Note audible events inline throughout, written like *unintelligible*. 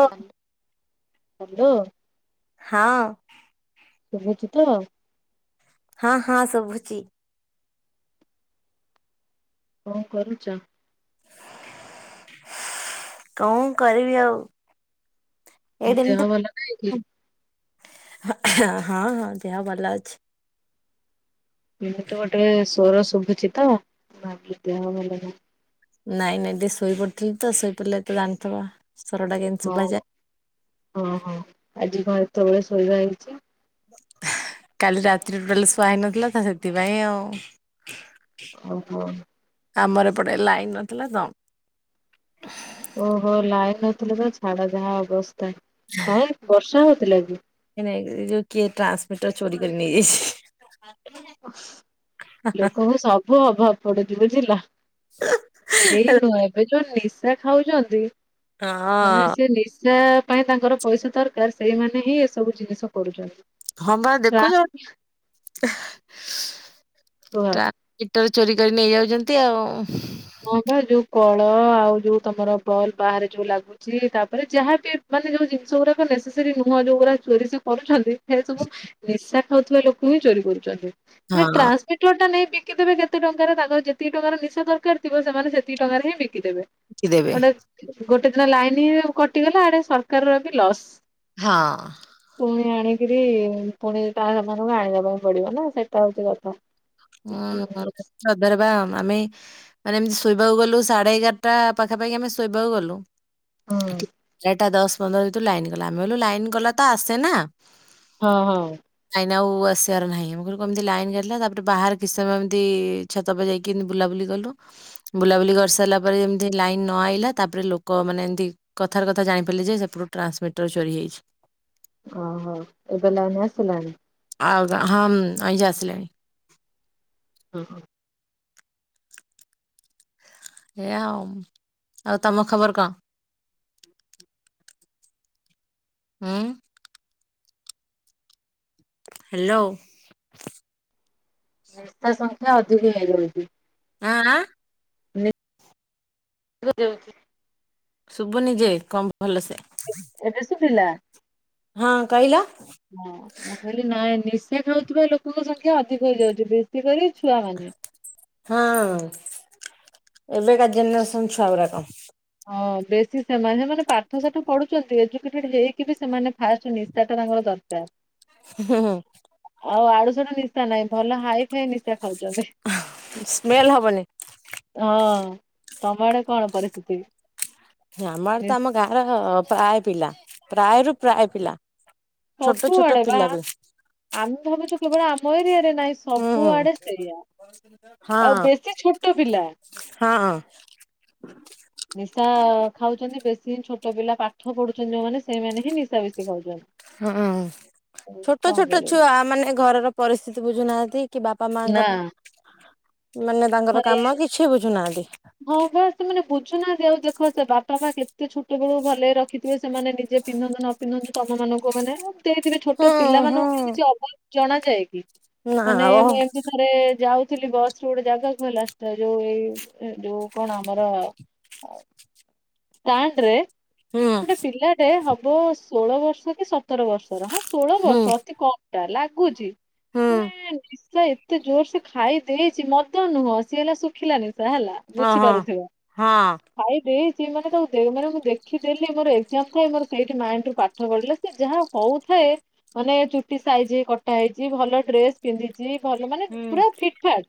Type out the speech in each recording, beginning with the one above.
ଓ hello. ହଁ। ଶୁଭୁଛି ତ? ହଁ ହଁ ଶୁଭୁଚି। କଣ କରୁଛ? କଣ କରିବି ଆଉ ମୋ ଏଇଠି ଏମିତି ଦେହ ଭଲ ନାହିଁ କି? ହଁ ହଁ ଦେହ ଭଲ ଅଛି। କେମିତି ଗୋଟେ ସ୍ୱର ଶୁଭୁଛି ତ ଭାବିଲି ଦେହ ଭଲ। ନାଇଁ ନାଇଁ ଟିକେ ଶୋଇ ପଡି଼ଥିଲି ତ ଶୋଇ ପଡ଼ିଲେ ତ ଜାଣିଥିବ ସ୍ବର ଟା କେମିତି ହଉ ଶୁଭାଯାଏ? ହଁ ହଁ ଆଜି କଣ ଏତେବେଳେ ଶୋଇବା ହେଇଛି। କାଲି ରାତିରେ ଟୋଟାଲି ସୁଆ ହେଇନଥିଲା ତ ସେଥିପାଇଁ ଆଉ ଓହୋ। ଆମ ଏପଟେ ଲାଇନ ନଥିଲା ତ? ଓହୋ ଲାଇନ୍ ନଥିଲେ ତ ଛାଡ଼ ଯାହା ଅବସ୍ଥା ନାଇଁ ବର୍ଷା ହଉଥିଲା କି? ନାଇଁ ନାଇଁ ଏ ଯୋଉ କିଏ ଟ୍ରାନ୍ସମିଟର ଚୋରି କରି ନେଇଯାଇଛି। ଲୋକଙ୍କୁ ସବୁ ଅଭାବ ପଡ଼ୁଛି ବୁଝିଲ? ଏଇ ନୁହଁ ଏବେ ଯୋଉ ନିଶା ଖାଉଛନ୍ତି। ମାନେ ହଁ ସେ ନିଶା ପାଇଁ ତାଙ୍କର ପଇସା ଦରକାର ସେଇମାନେ ହିଁ ଏସବୁ ଜିନିଷ କରୁଛନ୍ତି। ହଁ ବା ଦେଖୁଛ ଟ୍ରାନ୍ସ କୁହ ତା ହିଟର ଚୋରି କରି ନେଇଯାଉଛନ୍ତି ଆଉ ହଁ ବା ଯୋଉ କଳ ଆଉ ଯୋଉ ତମର ବଲ୍ ବାହାରେ ଯୋଉ ଲାଗୁ ତାପରେ ଯାହା ବି ମାନେ ଯୋଉ ଜିନିଷ ଗୁଡ଼ାକ ନେସେସେରୀ ନୁହଁ ଯୋଉଗୁଡା ଚୋରି କରୁଛନ୍ତି ସେ ସବୁ ନିଶା ଖାଉଥିବା ଲୋକ ହିଁ ଚୋରି କରୁଛନ୍ତି। ମାନ ହଁ ଟ୍ରାନ୍ସମିଟର ଟା ନେଇ ବିକିଦେବେ କେତେ ଟଙ୍କାରେ ତାଙ୍କର ଯେତିକି ଟଙ୍କାର ନିଶା ଦରକାର ଥିବ ସେମାନେ ସେତିକି ଟଙ୍କାରେ ହିଁ ବିକିଦେବେ କି ଦେବେ ଗଟେ ଗୋଟେ ଦିନ ଲାଇନ ହିଁ କଟିଗଲା ଆଡ଼େ ସରକାର ବି ଲସ୍ ହଁ। ପୁଣି ଆଣିକିରି ପୁଣି ତା ସେମାନଙ୍କୁ ଆଣିବାକୁ ପଡି଼ବ ନା ସେ ଟର୍ଚ ଯାକ ହଁ। ସଦର ବା ଆମେ ମାନେ ଏମିତି ଶୋଇବାକୁ ଗଲୁ ସାଢ଼େ ଏଗାରଟା ପାଖାପାଖି ଆମେ ଶୋଇବାକୁ ଗଲୁ। ହୁଁ ରାଟା ଦଶ ପନ୍ଦର ଯେତୁ ଲାଇନ୍ ଗଲା ଆମେ ବଲୁ ଲାଇନ୍ ଗଲା ତ ଆସେନା। ହଁ ହଁ। ଲାଇନ୍ ଆଉ ଆସିଆର ନାହିଁ, ମୁଁ କ କେମିତି ଲାଇନ୍ ହେଲା। ତାପ୍ ବାହାରେ କିଛି ସମୟ ଏମିତି ଛତ ଉପ ରେ ଯାଇକି ବୁଲାବୁଲି କଲୁ। ବୁଲାବୁଲି କରିସାରିଲା ପରେ ଏମିତି ଲାଇନ୍ ନ ଆଇଲା ତାପରେ ଲୋକ ମାନେ ଏମତି। କଥାରେ କଥା ଜାଣିପାରିଲି ଯେ ସେପଟୁ ଟ୍ରାନ୍ସ୍ ମିଟର ଚୋରି ହେଇଛି। ଓହୋ, ଏବେ ଲାଇନ୍ ଆସିଲାଣି? ଆଉ ଗା ହଁମୂ ଆଜ ଆସିଲାଣି। ହୁଁ। ଏ ଆମ୍ ଆଉ ତମ ଖବର କଣ? ହୁଁ। ହ୍ୟାଲୋ। ରାସ୍ତା ସଂଖ୍ୟା ଅଧିକ ହେଇଯାଉଚି। ଆଁ *inaudible* ଶୁଭୁନି ଯେ କମ୍ ଭଲସେ। ଏବେ ଶୁଭିଲା। ହଁ କହିଲ। ହଁ ମୁଁ କହିଲି ନାଇଁ ନିଶା ଖାଉଥିବା ଲୋକଙ୍କ ସଂଖ୍ୟା ଅଧିକ ହେଇଯାଉଚି, ବେଶୀ କରି ଛୁଆମାନେ। ହଁ, ଏବେକା ଜେନେରେସନ୍ ଛୁଆ ଗୁରାକ। ହଁ ବେଶୀ ସେମାନେ, ଷଟସେମାନେ ପାଠ ସାଠ ପଢୁଚନ୍ତି ଏଜୁକେଟେଡ୍ ହେଇକି ବି ସେମାନେ ଫାଷ୍ଟ୍ ନିଶ୍ ସେଟା ତାଙ୍କର ଦରକାର୍। ହୁଁ ହୁଁ ଉଁ। ଅ ଆଡୁଷାଡୁ ନିଶା ନାଇଁ ଭଲ ହାଇଟ୍ ସେଇ ନିଶା ଖାଉଚନ୍ତି। ସ୍ମେଲ ହବନି ହଁ, ତମ ଆଡେ କଣ ପରିସ୍ଥିତି? ଆମଆଡେ ତ ନିଶ୍ ଆମ ଗାଁର ପ୍ରାୟ ପିଲା ପ୍ରାୟରୁ ପ୍ରାୟ ପିଲା। ଛୋଟ ସବୁଆଡେ ଛୋଟ ବା ପିଲା ବି। ଆମେ ଭାବୁଚୁ କେବଳ ଆମ ଏରିଆରେ। ନାଇଁ ହୁଁ। ସବୁଆଡେ ସେଇଆା, ହଁ ଆଉ ବେଶୀ ଛୋଟ ପିଲା। ହଁ। ନିଶା ଖାଉଚନ୍ତି, ବେଶୀ ହିଁ ଛୋଟ ପିଲା ପାଠ ପଢୁଚନ୍ତି ଯୋଉମାନେ। ସେଇମାନେ ହଁ ନିଶ୍ ହଁ ଆଉ ଛୋଟ କଣ ଛୋଟ କରିବା ଛୁଆ ମାନେ ଘରର ପରିସ୍ଥିତି ବୁଝୁନାହାନ୍ତି କି ବାପା ନା। ମାଙ୍କର ମାନେ ତାଙ୍କର ଥରେ କାମ କିଛି ବୁଝୁନାହାନ୍ତି। ହଁ ବା ସେମାନେ ବୁଝୁନାହାନ୍ତି ଆଉ ଦେଖ ସେ ବାପା ମା କେତେ ଛୋଟ ବେଳୁ ଭଲରେ ରଖିଥିବେ, ସେମାନେ ନିଜେ ପିନ୍ଧନ୍ତୁ ନ ପିନ୍ଧନ୍ତୁ ତମ ମାନଙ୍କୁ ମାନେ ହେଇଥିବେ ହୁଁ ଛୋଟ ହୁଁ। ପିଲାମାନଙ୍କ କିଛି ଅଭାବ ଜଣା ଯାଏ କି? ନା ମାନେ ଓ ମୁଁ ଏମତି ଥରେ ଯାଉଥିଲି ବସ୍ ରେ ଗୋଟେ ଜାଗାକୁ ହେଲା, ଯୋଉ ଏଇ ଯୋଉ କଣ ଆମର ଷ୍ଟାଂଡ୍ ରେ ହୁଁ ଗୋଟେ ପିଲାଟେ ହବ ଷୋଳ ବର୍ଷ କି ସତ୍ ସତର ବର୍ଷର ହଁ ଷୋଳ ହୁଁ ବର୍ଷ ଅତି କମ୍ ଟା ଲାଗୁଚି, ହୁଁ ମାନେ ସେ ଏତେ ଜୋର ସେ ଖାଇ ଦେଇଚି ମଦ ନୁହଁ, ସିଏ ହେଲା ଶୁଖିଲା ନିଶା ହେଲା। ଓ ହଁ ବୁଝିପାରୁଥିବ, ହଁ ଖାଇଦେଇ ସି ମାନେ ତାକୁ ମାନେ ମୁଁ ଦେଖିଦେଲି ମୋର ଏଜାମ୍ ଥାଏ ମୋର ସେଇଠି ମାଇଣ୍ଡ୍ ରୁ ପାଠ ପଢିଲେ ସେ ଯାହା ହଉଥାଏ। ମାନେ ଚୁଟି ସାଇଜିକି କଟା ହେଇଛି ଭଲ ଡ୍ରେସ୍। ପିନ୍ଧିଚି ଭଲ ମାନେ ହୁଁ। ପୁରା ଫିଟ୍ ଫାଟ୍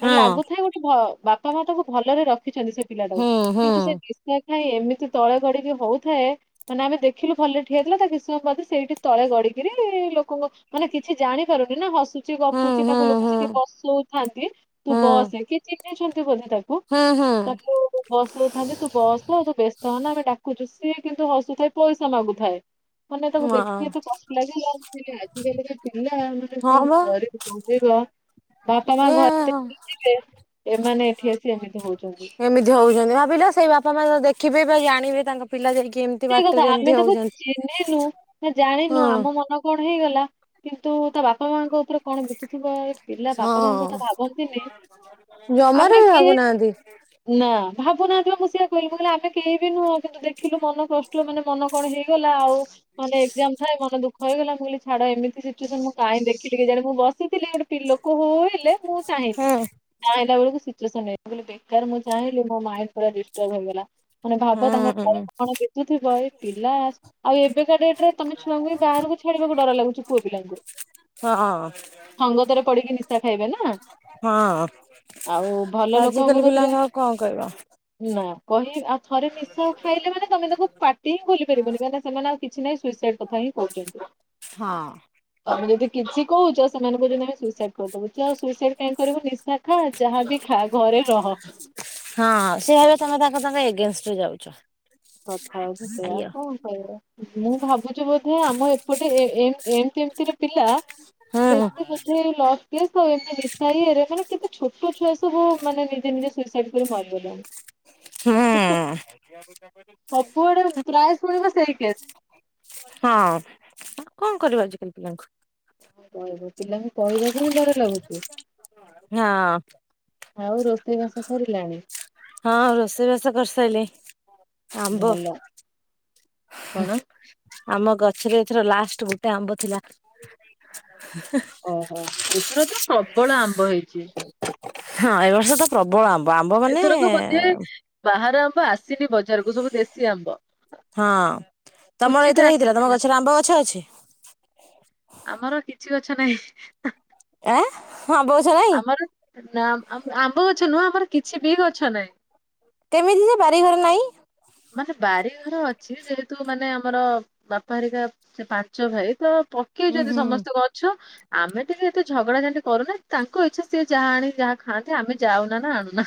ମାନେ ହଁ ଲାଗୁଥାଏ, ଗୋଟେ ଭ ବାପ୍ ତମେ ତାକୁ ଭଲରେ ରଖିଚନ୍ତି ସେ ପିଲାଟାକୁ, ହୁଁ ହୁଁ କିନ୍ତୁ ସେ ନିଶ୍ ଖାଇ ଖାଇ ଏମିତି ତଳେ ଗଡିକି ହଉଥାଏ ମାନେ ଆମେ ଦେଖିଲୁ ଭଲରେ ଠିଆଇଥିଲା ତା କିଛି ସମୟ ପରେ ସେଇଠି ତଳେ ଗଡିକିରି ଲୋକଙ୍କ ମାନେ କିଛି ଜାଣିପାରୁନି ନା, ହସ୍ କିଛି ହୁଁ ଗପୁଚି ହୁଁ ତାକୁ ଲୋକ ସେଠି ହୁଁ ବସଉଥାନ୍ତି, ତୁ ହୁଁ ବସେ କି ଚିହ୍ନିଛନ୍ତି ବୋଧେ ତାକୁ। ଉଁ ହୁଁ ହୁଁ ତାକୁ ବସଉଥାନ୍ତେ ତୁ ବସ ଆଉ ତୁ ବ୍ୟସ୍ତ ହନା ଆମେ ଡାକୁଚୁ, ସିଏ କିନ୍ତୁ ହସୁଥାଏ ପଇସା ମାଗୁଥାଏ। ମାନେ ତାକୁ ହଁ ଦେଖିକି ଏତେ କଷ୍ଟ ଲାଗଲା, ମୁଁ କହିଲି ଆଜିକାଲିକା ପିଲା ମାନେ କଣ ହଁ ବା କରିବୁ। ମଗେଇବା। ବାପା ମା ଏ ଘରେବ୍ୟସ୍ତ ହଉଥିବେ ଏମାନେ ଏଠି ଆସି ଏମିତି ହଉଚନ୍ତି। ଏମିତି ହଉଛନ୍ତି ଭାବିଲ ସେଇ ବାପା ମା ଦେଖିବେ ବା ଜାଣିବେ ତାଙ୍କ ପିଲା ଯାଇକି ଏମ୍ ସେଇ କଥା ଆମେ ତାକୁ ଚିହ୍ନିନୁ ନା ଜାଣିନୁ ହଁ ଆମ ମନ କଣ ହେଇଗଲା କିନ୍ତୁ ତା ବାପା ମାଙ୍କ ଉପରେ କଣ ଵିତୁଥିବ ଏ ପିଲା ବାପା ମାଙ୍କ କଥା ହଁ ଭାବନ୍ତିନି। ଜମାରୁ ଆମେ ବି କିଏ ଭାବୁନାହାନ୍ତି। ନା ଭାବୁନାହାନ୍ତି ବା ମୁଁ ସେଇଆ କିହିଲି, ମୁଁ କହିଲି ଆମେ କେହି ବିି ନୁହଁ କିନ୍ତୁ ଦେଖିଲୁ ମନ କଷ୍ଟ ମାନେ ମନ କଣ ହେଇଗଲା ଆଉ ମାନେ ଏକ୍ଜାମ ଥାଏ ମନ ଦୁଃଖ। ଦୁଃଖ ହେଇଗଲା ମୁଁ କହିଲି ଛାଡ଼ ଏମତି ସିଚୁଏସନ୍ ମୁ କାଇଁ ଦେଖିଲି କେଜାଣି, ମୁ ବସିଥିଲି ହେଇଠୁ ସେଠି ଲୋକ ହୋ-ହୋ ହେଲେ ମୁଁ ଚାହିଁଲି। ହୁଁ ଚାହିଁଲା ବେଳକୁ ସିଚୁଏସନ୍ ଏୟା, ମୁଁ କହିଲି ବେକାର୍ ମୁଁ ଚାହିଁଲି ମୋ ମାଇଣ୍ଡ ପୁରା ଡିଷ୍ଟର୍ଭ ହେଇଗଲା। ମାନେ ଭାବ ତାଙ୍କ ଘରେ ହୁଁ କଣ ବିତୁଥିବ ଏଇ ପିଲା ଆଉ ଏବେକା ଡେଟରେ ତମେ ଛୁଆଙ୍କୁ ବି ବାହାରକୁ ଛାଡିବାକୁ ଡର ଲାଗୁଛି ପୁଅ ପିଲାଙ୍କୁ। ହଁ ଅଁ। ସଙ୍ଗତରେ ପଡିକି ନିଶା ଖାଇବେ ନା।। ହଁ ଆଉ ଭଲ ଲୋକଙ୍କ ଆଜିକାଲି କତିରେ ପିଲାଙ୍କୁ ଆଉ କଣ କହିବ ନା କହି ଆଉ ଥରେ ନିଶା ଖାଇଲେ ମାନେ ତମେ ତାକୁ ହିଁ ଭୁଲି ପାରିବନି ମାନେ ସେମାନେ ଆଉ କିଛି ନାହିଁ ସୁଇସାଇଡ୍ କଥା ହିଁ କହୁଛନ୍ତି। ହଁ ତମେ ଯଦି କିଛି କହୁଛ ସେମାନେ କହୁଛନ୍ତି ଆମେ ସୁଇସାଇଡ୍ କରିଦବୁ, ସୁଇସାଇଡ୍ କାହିଁ କରିବ ନି ପିଠା ଖାଯାହାବି ଖା ଘରେ ରହ। ହଁ ସେ ଭାବିବେ ତମେ ତାଙ୍କ-ତାଙ୍କ ଏଗେନଷ୍ଟରେ ଯାଉଚ। କଥା ହଉଛି ସେଇଆ ଆଉ କଣ କହିବ। ମୁଁ ଭାବୁଛି ବୋଧେ ଆମ ଏପଟେ ଏ-ଏ-ଏମତି ଏମିତିରେ ପିଲା ହୁଁ ବେଶୀ ହୁଁ ସେ ଏଇ ଲଭ୍ କେସ୍ ରେ ଏମତି ନିଶା ଇଏରେ ମାନେ କେତେ ଛୋଟ ଛୁଆ ସବୁ ମାନେ ନିଜେ ନିଜେ ସୁଇସାଇଡ୍ କରି ମରିଗଲା। ହୁଁ। ସବୁଆଡେ ପ୍ରାୟ ଶୁଣିବ ସେଇ କେସ୍। ହଁ ଆଉ କଣ କରିବ ଆଜିକାଲି ପିଲାଙ୍କୁ। କହିବ ପିଲାଙ୍କୁ କହିବାକୁ ହିଁ ଡର ଲାଗୁଚି। ହଁ। ଆଉ ରୋଷେଇବାସ ସରିଲାଣି? ହଁ ରୋଷେଇବାସ କରିସାରିଲେନି ଆମ୍ବ। ଭଲ। କଣ ଆମ ଗଛରେ ଏଥର ଲାଷ୍ଟ ଗୋଟେ ଆମ୍ବ ଥିଲା। ଓହୋ ଏଥର ତ ପ୍ରବଳ ଆମ୍ବ ହେଇଚି। ହଁ ଏ ବର୍ଷ ତ ପ୍ରବଳ ଆମ୍ବ। ଆମ୍ବ ମାନେ ଏଥରକ ବୋଧେ ବାହାର ଆମ୍ବ ଆସିନି ବଜାରକୁ ସବୁ ଦେଶୀ ଆମ୍ବ। ହଁ ତମର କୁଚିତ ଏଥିରେ ହେଇଥିଲା। ତମ ଆସିଥିଲା ଗଛରେ ଆମ୍ବ ଗଛ ଅଛି। ଆମର କିଛି ଗଛ ନାହିଁ। ଆଁ ହଁ ଆମ୍ବ ଗଛ ନାଇଁ ଆମର ନା ଆମ୍ବ ଗଛ ନୁହଁ ଆମର କିଛି ବି ଗଛ ନାହିଁ। କେମିତି ଯେ ବାରିଘର ନାଇଁ। ମାନେ ବାରିଘର ଅଛି। ଯେହେତୁ ମାନେ ଆମର ବାପା ହେରିକା ସେ ପାଞ୍ଚ ଭାଇ। ତ ପ ହୁଁ ପକେଇଛନ୍ତି ହୁଁ ସମସ୍ତେ ଗଛ ଆମେ ଟିକେ ଏତେ ଝଗଡା ଝାଣ୍ଟି କରୁନା। ତାଙ୍କ ଇଛା ସିଏ ଯାହା ଆଣି ଯାହା ଖାଆନ୍ତି ଆମେ ଯାଉନା ନା ଆଣୁନା।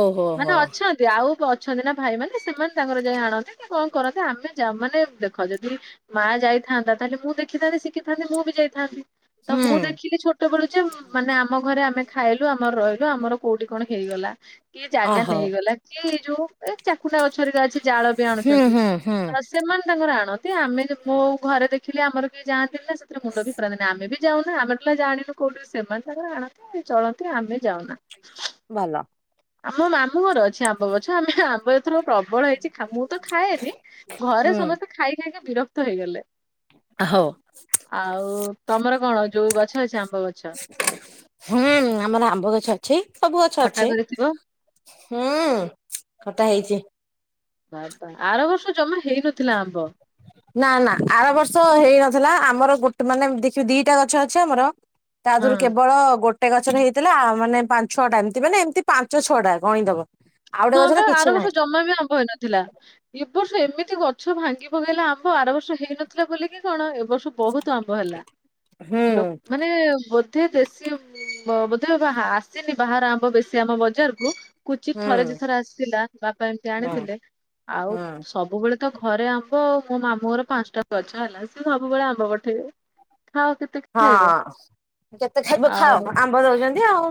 ଓହୋ ମାନେ ହୋ ଅଛନ୍ତି ଆଉ ଅଛନ୍ତି ନା। ଭାଇ ମାନେ ସେମାନେ ତାଙ୍କର ଯାଇ ଆଣନ୍ତି କି କଣ କରନ୍ତି? ଆମେ ଯା ମାନେ ଦେଖ ଯଦି ମା ଯାଇଥାନ୍ତା ତାହେଲେ ମୁଁ ଦେଖିଥାନ୍ତି ଶିଖିଥାନ୍ତି ମୁଁ ବି ଯାଇଥାନ୍ତି। ତ ହୁଁ ମୁଁ ଦେଖିଲି ଛୋଟବେଳୁ ଯେ ମାନେ ଆମ ଘରେ ଆମେ ଖାଇଲୁ ଆମର ରହିଲୁ ଆମର କୋଉଠି କଣ ହେଇଗଲା। କିଏ ଜାଗା ଓହୋ ନେଇଗଲା? କିଏ ଯୋଉ ଏ ଚାକୁଣ୍ଡାଗଛହେରିକା ଅଛି ଜାଳ ବି ହୁଁ ଆଣୁଛନ୍ତି। ହୁଁ ହୁଁ ସେମାନେ ତାଙ୍କର ଆଣନ୍ତି। ଆମେ ମୋ ଘରେ ଦେଖିଲେ ଆମର କିଏ ଯାନ୍ତିନି କି ସେଥିରେ ମୁଣ୍ଡ ଖରାଦିନେ ଆମେବି ଯାଉନା ଆମେ ଜାଣିନୁ କୋଉଠି ସେମାନେ ତାଙ୍କର ଆଣନ୍ତି ଚଳନ୍ତି ଆମେ ଯାଉନା। ଭଲ। ଆମ ମାମୁଁ ଘର ଅଛି ଆମ୍ବ ଗଛ। ଆମେ ଆମ୍ବ ଏଥର ପ୍ରବ ପ୍ରବଳ ହେଇଛି ଖା ମୁଁ ତ ଖାଏନି। ଘରେ ହୁଁ ସମସ୍ତେ ଖାଇ ଖାଇକି ବିରକ୍ତ ହେଇଗଲେ। ହଉ ଆଉ ତମର କଣ ଯୋଉ ଗଛ ଅଛି ଆମ୍ବ ଗଛ? ହୁଁ ଆମର ଆମ୍ବ ଗଛ ଅଛି। ସବୁ ଗଛ ଖଟା ଅଛି। କରିଥିବ? ହୁଁ ଖଟା ହେଇଛି। ବାପା ଆରବର୍ଷ ଜମା ହେଇନଥିଲା ଆମ୍ବ। ନା ନା ଆରବର୍ଷ ହେଇନଥିଲା। ଆମର ଗୋ ମାନେ ଗୋଟେ ଦେଖିବୁ ଦିଟା ଗଛ ଅଛି ଆମର। ତା ହଁ ଦେରୁ କେବଳ ଗୋଟେ ଗଛରେ ହେଇଥିଲା। ମାନେ ପାଞ୍ଚ ଛଅଟା ଏମିତି ମାନେ ଏମିତି ପାଞ୍ଚ ଛଅଟା ଗଣି ଦବ। ହଁ ବା ଆରବର୍ଷ ଜମା ବି ଆମ୍ଭ ହେଇନଥିଲା। ଏ ବର୍ଷ ଏମିତି ଗଛ ଭାଙ୍ଗି ପକେଇଲା ଆମ୍ବ ଆରବର୍ଷ ହେଇନଥିଲା ବୋଲିକି କଣ ଏବ ବର୍ଷ ବହୁତ ଆମ୍ବ ହେଲା। ହୁଁ ମାନେ ବୋଧେ ଦେଶୀ ବ ବା ଆସିନି ବାହାର ଆମ୍ବ ବେଶୀ ଆମ ବଜାରକୁ। କୁଚିତ ହୁଁ ଥରେ ଥରେ ଆସିଥିଲା ବାପା ଏମତି ହୁଁ ଆଣିଥିଲେ। ଆଉ ହୁଁ ସବୁବେଳେ ତ ଘରେ ଆମ୍ବ ଆଉ। ମୋ ମାମୁଁଙ୍କର ପାଞ୍ଚଟା ଗଛ ହେଲା ସିଏ ସବୁବେଳେ ଆମ୍ବ ପଠେଇବେ। *unintelligible* ହଁ କେତେ ଖାଇବ ଖାଅ, ଆଉ ଆମ୍ବ ଦଉଛନ୍ତି ଆଉ।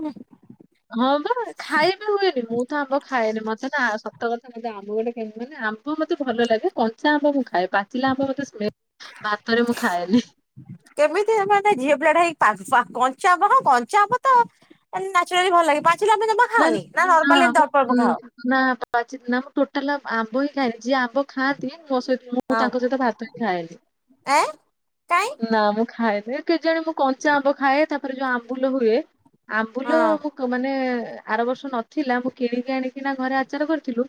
ହଁ ବା ଖାଇବି ହୁଏନି, ମୁଁ ତ ଆମ୍ୱ ଖାଏନି। ମତେ ନା ସତ କଥା ମତେ ଆମ ଗୋଟେ କେମିତି ମାନେ ଆ ଆମ୍ବ ମୋତେ ଭଲ ଲାଗେ, କଞ୍ଚା ଆମ୍ବ ମୁଁ ଖାଏ। ପାଚିଲା ଆମ୍ବ ମୋତେ *unintelligible* ଭାତରେ ମୁଁ ଖାଏନି। କେମିତି ମାନେ ଝିଅପିଲାଟା ହେଇ କଞ୍ଚାଆମ୍ୱ କଞ୍ଚାଆମ୍ୱ ତ *unintelligible* ଭଲ ଲାଗେ ପାଚିଲା ଆମ୍ବ ଜମା ଖାଅନି? ନା କଣ ଆମ ଏମିତି ଅଳପ ଅଳପ ଖାଅ? ଉଁ ନା ପାଚିଥିଲା ଆମ୍ୱ ଟୋଟାଲ ଆମ୍ବ ହିଁ ଖାଇନି, ଯିଏ ଆମ୍ବ ଖାଆ ନ୍ତି ମୋ ସହି ମୁଁ ହଁ ତାଙ୍କ ସହିତ ଭାତ ହିଁ ଖାଏନି। ଏଁ କାଇଁ ନା ମୁଁ ଖାଏନି କେଜାଣେ ମୁଁ କଞ୍ଚାଆମ୍ବ ଖାଏ, ତାପରେ ଯୋଉ ଆମ୍ବୁଲ ହୁଏ ଆମ୍ବୁଲ ହଁ ମୁଁ ମାନେ ଆର ବର୍ଷ ନଥିଲା, ମୁଁ କିଣିକି ଆଣିକିନା ଘରେ ଆଚାର କରିଥିଲୁ।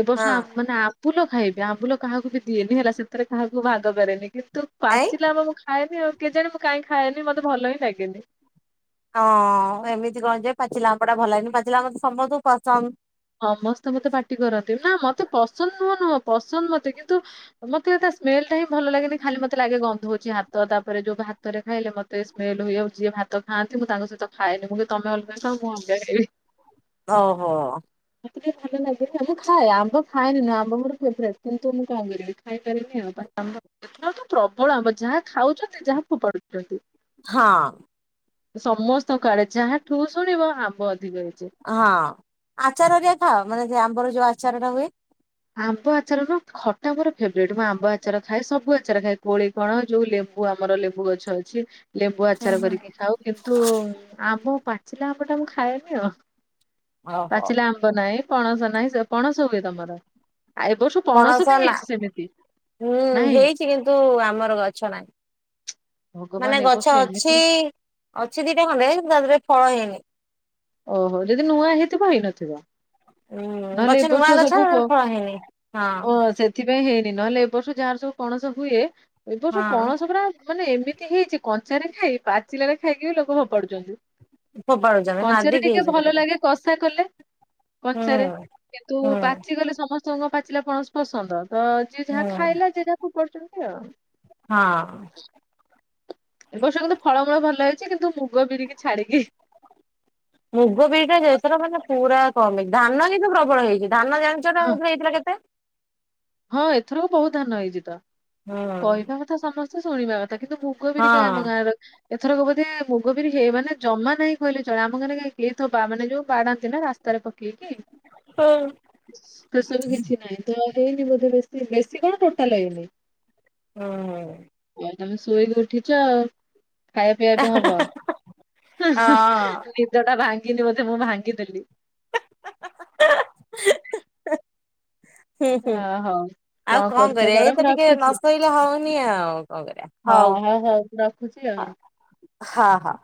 ଏ ହଁ ବର୍ଷ ମାନେ ଆମ ଆମ୍ବୁଲ ଖାଇବି ଆମ୍ବୁଲ କାହାକୁ ବି ଦିଏନି ହେଲା, ସେଥିରେ କାହାକୁ ଭାଗ କରେନି କିନ୍ତୁ ଏଇ ପାଚିଲା ଆମ୍ୱ ଖାଏନି ଆଉ କେଜାଣି ମୁଁ କାଇଁ ଖାଏନି, ମତେ ଭଲ ହିଁ ଲାଗେନି। ହଁ ଏମିତି କଣ ଯେ ପାଚିଲା ଆମ୍ବଟା ଭଲ ଲାଗେନି, ପାଚିଲା ଆମ୍ବଟା ସମସ୍ତଙ୍କୁ କଞ୍ଚା ଆ ସମସ୍ତେ ମତେ ପାଟି କରନ୍ତି, ନା ମତେ ପସନ୍ଦ ନୁହଁ ନୁହଁ ପସନ୍ଦ ମତେ କିନ୍ତୁ ମତେ ତା ସ୍ମେଲ ଟା ହିଁ ଭଲ ଲାଗେନି। ଖାଲି ମତେ ଲାଗେ ଗନ୍ଧଉଛି ହାତ ତାପରେ ଯୋଉ ଭାତରେ ଖାଇଲେ ମତେ ସ୍ମେଲ ହୁଏ, ଆଉ ଯିଏ ଭାତ ଖାଆନ୍ତି ମୁଁ ତାଙ୍କ ସହିତ ଖାଏନି। ମୁଁ କହେ ତମେ ଅଲଗା ଖାଅ ମୁଁ ଅଲଗା ଖାଇିବି। ଓ ହୋ। ମତେ ଟିକେ ଭଲ ଲାଗେନି, ହେଲେ ଖାଏ ଆମ୍ବ ଖାଏନି ନୁହଁ ଆମ୍ବ ମୋର ଫେବରାଇଟ। କିନ୍ତୁ ମୁଁ କଣ କରିବି ଖାଇପାରେନି ଆଉ, ଏଥର ତ ପ୍ରବଳ ଆମ୍ୱ ଯାହା ଖାଉଛନ୍ତି ଯାହା ଫୋପାଡୁଛନ୍ତି। ହଁ। ସମସ୍ତଙ୍କ ଆଡେ ଯାହାଠୁ ଶୁଣିବ ଆମ୍ବ ଅଧିକ ହେଇଛି। ହଁ ଆଚାର ଯୋଉ ଖାଅ, ମାନେ ଯୋ ଆମ୍ବର ଯୋଉ ଆଚାରଟା ହୁଏ? ଆମ୍ବ ଆଚାରର ଖଟା ମୋର ଫେବରାଇଟ୍, ମୁଁ ଆମ୍ବ ଆଚାର ଖାଏ ସବୁ ଆଚାର ଖାଏ। କୋଳି କଣ ଯୋଉ ଲେମ୍ବୁ ଆମର ଲେମ୍ବୁ ଗଛ ଅଛି। ଲେମ୍ବୁ ହୁଁ ଆଚାର ହୁଁ। କରିକି ଖାଉ, କିନ୍ତୁ ଆମ୍ୱ ପାଚିଲା ଆମ୍ୱଟା ମୁଁ ଖାଏନି ଆଉ। ଓହୋ ପାଚିଲା ଆମ୍ବ ନାହିଁ, ପଣସ ନାହିଁ ପଣସ ହୁଏ ତମର? ଆଉ ଏବର୍ଷ ପଣସ ବି ହେଇଛି ସେମିତି ହୁଁ ନାଇଁ? ହେଇଛି କିନ୍ତୁ ଆମର ଗଛ ନାହିଁ, ଭଗବାନ ମାନେ ଏ ଗଛ ବର୍ଷ ଏମିତି ଅଛି ଅଛି ଦିଟା ଖଣ୍ଡେ, କିନ୍ତୁ ତା ଦେହରେ ଫଳ ହେଇନି। ଓ ହୋ ଯଦି ନୂଆ ହେଇଥିବ ହେଇନଥିବ। ଉଁ ଗଛ ନହେଲେ ନୂଆ ଏବର୍ଷ ଗଛ ସବୁ ତା ଫ ଦେହରେ ଫଳ ହେଇନି। ହଁ *unintelligible* ସେଥିପାଇଁ ହେଇନି, ନହେଲେ ଏ ବର୍ଷ ଯାହାର ସବୁ ପଣସ ହୁଏ। ଏ ବର୍ଷ ହଁ ପଣସ ପୁରା ମାନେ ଏମିତି ହେଇଛି, କଞ୍ଚାରେ ଖାଇ ପାଚିଲାରେ ଖାଇକି ବି ଲୋକ ଫୋପାଡୁଛନ୍ତି। ଫୋପାଡୁଚ କଞ୍ଚାରେ ଟିକେ ଭଲ ଲାଗେ କଷା କଲେ ହୁଁ କଞ୍ଚାରେ, କିନ୍ତୁ ହୁଁ ପାଚିଗଲେ ସମସ୍ତେ କଣ ପାଚିଲା ପଣସ ପସନ୍ଦ, ତ ଯିଏ ଯାହା ହୁଁ ଖାଇଲା ଯିଏ ଯାହା ଫୋପାଡୁଛନ୍ତି ଆଉ। ହଁ। ଏ ବର୍ଷ କିନ୍ତୁ ଫଳମୂଳ ଭଲ ହେଇଛି, କିନ୍ତୁ ମୁଗ ବିରିକି ଛାଡିକି। ମୁଗ ବିରିଟା ଏଥର ମାନେ ପୁରା କମ ହେଇଚି, ଧାନ କିନ୍ତୁ ପ୍ରବଳ ହେଇଛି। ଧାନ ଜାଣିଛ ନା ହଁ ଏଇ ଥରକ ହେଇଥିଲା କେତେ? ହଁ ଏଥର ବହୁତ ଧାନ ହେଇଛି ତ, ହଁ କହିବା କଥା ସମସ୍ତେ ଶୁଣିବା କଥା କିନ୍ତୁ ମୁଁ *unintelligible* ଆମ ହଁ। ଗାଁର। ଏଥରକ ବୋଧେ ମୁଗ ବିରି ହେଇ ମାନେ ଜମା ନ ନାହିଁ କହିଲେ ଚଳେ। ଆମ ଗାଁରେ କାଇଁ କେହି ତ ମାନେ ଯୋଉ ବାଡ଼ାନ୍ତି ନା ତାରେ ପକେଇକି ହଁ। ପ୍ରେସର୍ କିଛି ନାହିଁ ତ *unintelligible* ବେଶୀ କଣ ଟୋଟାଲ *unintelligible* ଓ ହୋ। ହଉ ତମେ ଶୋଇକି ଉଠିଚ ଆଉ ଖାଇବା ପିଇବା ଏବେ ହବ। ହିଁ ହିଁ ନିଦ ଟା ଭାଙ୍ଗିନି ବୋଧେ ମୁଁ ଭାଙ୍ଗିଦେଲି। ହୁଁ ହୁଁ ଅ ହଉ। ଆଉ କଣ କରୁଛ କରିଆ କର ଏଇ ମୁଁ ତ ଟିକେ ରଖୁଛି ନଶୋଇଲେ ହଉନି ଆଉ କଣ କରିବା? ହଁ ହଉ ହଉ ମୁଁ ରଖୁଛି ଆଉ। ହଁ ହଁ।